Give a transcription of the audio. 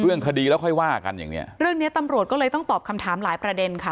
เรื่องคดีแล้วค่อยว่ากันอย่างเนี้ยเรื่องเนี้ยตำรวจก็เลยต้องตอบคำถามหลายประเด็นค่ะ